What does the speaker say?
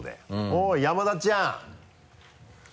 おい山田ちゃん。